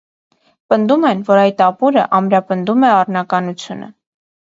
Պնդում են, որ այդ ապուրը ամրապնդում է առնականությունը։